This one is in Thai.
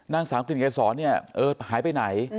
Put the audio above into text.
นางสาวกลิ่นเกษรเนี่ยเออหายไปไหน